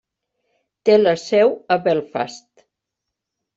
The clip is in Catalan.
Té la seu a Belfast.